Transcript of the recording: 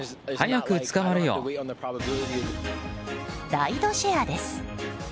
ライドシェアです。